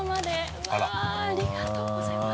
うわっありがとうございます。